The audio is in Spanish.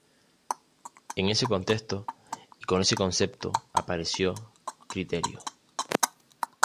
En ese contexto, y con ese concepto, apareció Criterio.